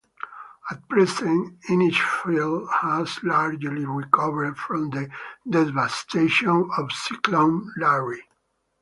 At present Innisfail has largely recovered from the devastation of Cyclone Larry.